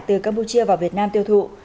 từ campuchia vào việt nam tiêu thụ